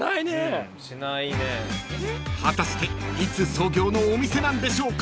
［果たしていつ創業のお店なんでしょうか？］